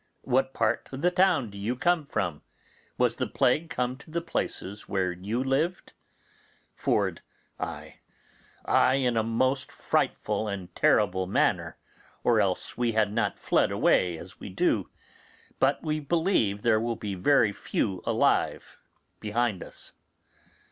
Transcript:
What part of the town do you come from? Was the plague come to the places where you lived? Ford. Ay, ay, in a most frightful and terrible manner, or else we had not fled away as we do; but we believe there will be very few left alive behind us.